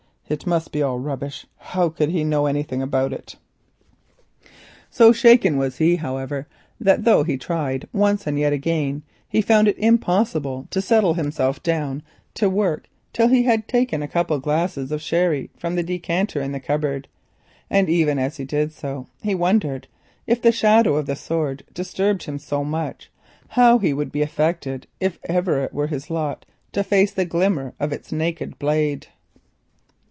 It must be all rubbish; how could he know anything about it?" So shaken was he, however, that though he tried once and yet again, he found it impossible to settle himself down to work till he had taken a couple of glasses of sherry from the decanter in the cupboard. Even as he did so he wondered if the shadow of the sword disturbed him so much, how he would be affected if it ever was his lot to face the glimmer of its naked blade.